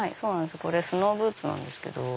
これスノーブーツなんですけど。